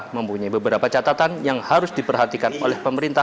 mempunyai beberapa catatan yang harus diperhatikan oleh pemerintah